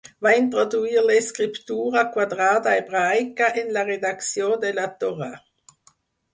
Va introduir l'escriptura quadrada hebraica en la redacció de la Torà.